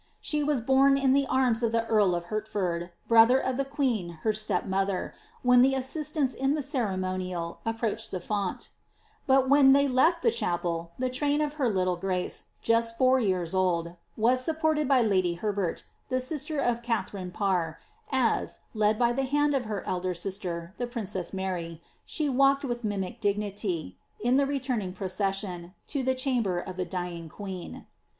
She was borne in the arms of the earl of Hertford, brother of the queen her step mother, when the assistants in the ceremonial approached the font ; but when tbey lefl the chapel, the train of her little grace, just four years old, was supported by Lady Herbert, the sister of Katharine Parr, as, led by the hand of her elder sister, the princess Mary, she walked with mimic dig nity, in the returning procession, to the chamber of the dying queen.'